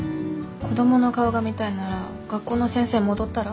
子供の顔が見たいなら学校の先生戻ったら？